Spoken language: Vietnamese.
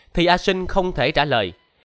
thì a sinh không thể trả lời